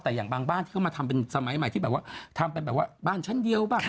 แต่อย่างบางบ้านที่เขามาทำเป็นสมัยใหม่ที่แบบว่าทำเป็นแบบว่าบ้านชั้นเดียวบ้าง